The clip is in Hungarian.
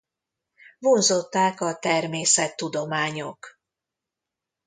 Vonzották a természettudományok.